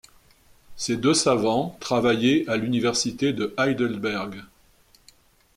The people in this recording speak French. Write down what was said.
Ces deux savants travaillaient à l'université de Heidelberg.